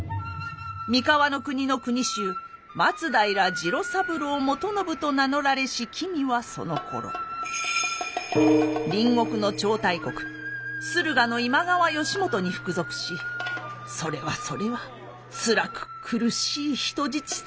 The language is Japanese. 三河国の国衆松平次郎三郎元信と名乗られし君はそのころ隣国の超大国駿河の今川義元に服属しそれはそれはつらく苦しい人質生活を送っておられました。